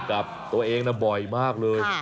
กับตัวเองบ่อยมากเลย